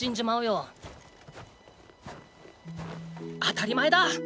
あたり前だ！